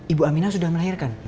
ibu aminah sudah melahirkan